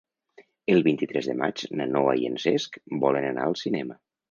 El vint-i-tres de maig na Noa i en Cesc volen anar al cinema.